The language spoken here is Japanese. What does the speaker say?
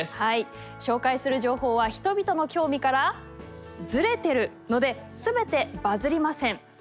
紹介する情報は人々の興味からズレてるので全てバズりません。